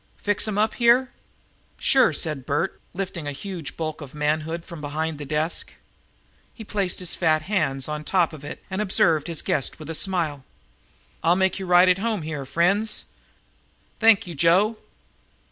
Fix 'em up here?" "Sure," said Bert, lifting a huge bulk of manhood from behind the desk. He placed his fat hands on the top of it and observed his guests with a smile. "Ill make you right to home here, friends. Thank you, Joe!"